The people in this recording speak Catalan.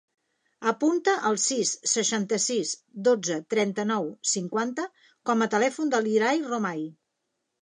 Apunta el sis, seixanta-sis, dotze, trenta-nou, cinquanta com a telèfon de l'Irai Romay.